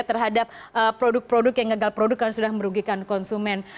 terhadap produk produk yang gagal produk dan sudah merugikan konsumen